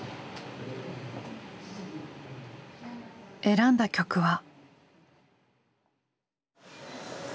選んだ曲は。